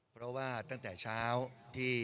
เพราะว่าตั้งแต่เช้าที่